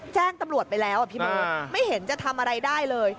แจ้งตำรวจไปแล้วพี่เบิร์ตไม่เห็นจะทำอะไรได้เลย